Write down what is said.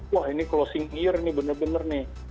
wah ini closing year nih benar benar nih